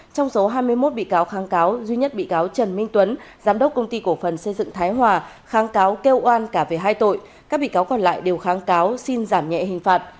trong số hai mươi một bị cáo kháng cáo duy nhất bị cáo trần minh tuấn giám đốc công ty cổ phần xây dựng thái hòa kháng cáo kêu oan cả về hai tội các bị cáo còn lại đều kháng cáo xin giảm nhẹ hình phạt